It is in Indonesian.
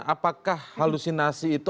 apakah halusinasi itu